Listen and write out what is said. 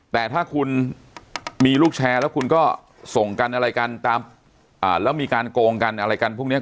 แต่ถ้าคุณมีลูกแชร์แล้วคุณก็ส่งกันอะไรกันตามแล้วมีการโกงกันอะไรกันพวกนี้